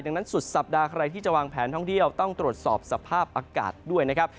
ดังนั้นสุดสัปดาห์ใครที่จะวางแผนท่องเที่ยวต้องตรวจสอบสภาพอากาศด้วยนะครับ